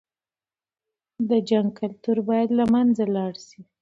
د جنګ کلتور بايد له منځه لاړ شي.